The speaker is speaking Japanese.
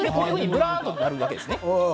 ぶらんとなるわけですね。